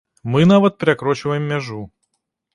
Мы нават перакрочваем мяжу.